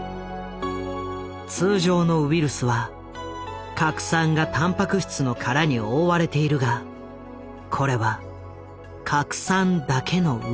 通常のウイルスは核酸がタンパク質の殻に覆われているがこれは核酸だけのウイルス。